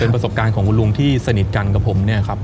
ประสบการณ์ของลุงที่สนิทกันกับผม